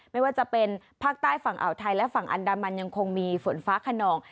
ไม่ว่าจะเป็นภาคใต้ฝั่งอ่าวไทยและฝั่งอันดามันยังคงมีฝนฟ้าขนอง